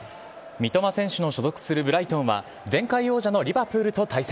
三笘選手の所属するブライトンは、前回王者のリバプールと対戦。